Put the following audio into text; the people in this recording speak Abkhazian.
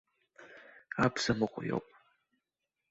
Абзамыҟә иоуп.